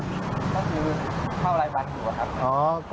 ก็คือเข้ารายวันอยู่อะครับ